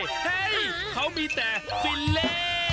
เฮ้ยเขามีแต่ฟิลเล่